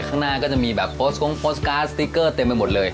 ข้างหน้าก็จะมีแบบโพสต์กงโพสต์การ์ดสติ๊กเกอร์เต็มไปหมดเลย